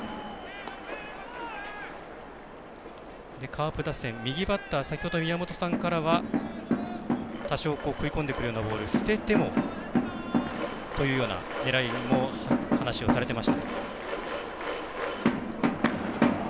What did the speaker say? カープ打線、右バッター、先ほど宮本さんからは多少、食い込んでくるようなボールを捨ててもというような狙いも話をされてました。